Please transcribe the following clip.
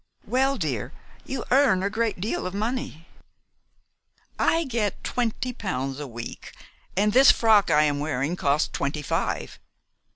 "Well, dear, you earn a great deal of money " "I get twenty pounds a week, and this frock I am wearing cost twenty five.